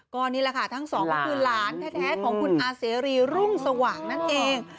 ก็นี่แหละค่ะทั้งสองก็คือหลานแท้ของคุณอาเสรีรุ่งสว่างนั่นเอง